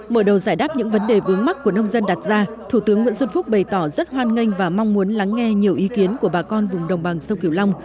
mở đầu giải đáp những vấn đề vướng mắt của nông dân đặt ra thủ tướng nguyễn xuân phúc bày tỏ rất hoan nghênh và mong muốn lắng nghe nhiều ý kiến của bà con vùng đồng bằng sông kiều long